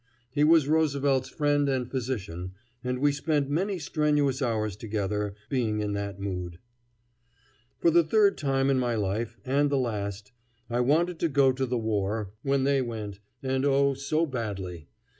He was Roosevelt's friend and physician, and we spent many strenuous hours together, being in that mood. For the third time in my life, and the last, I wanted to go to the war, when they went, and oh! so badly.